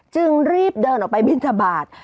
จึงรีบเดินออกไปบินทบาท